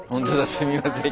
すみません。